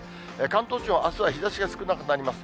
関東地方、あすは日ざしが少なくなります。